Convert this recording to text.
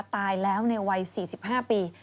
ตายแล้วในวัย๔๕ปี